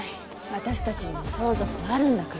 私たちにも相続はあるんだから。